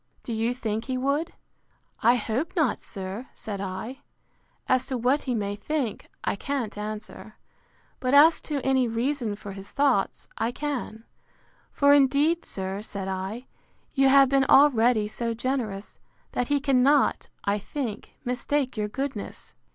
—Do you think he would? I hope not, sir, said I: As to what he may think, I can't answer; but as to any reason for his thoughts, I can: For indeed, sir, said I, you have been already so generous, that he cannot, I think, mistake your goodness.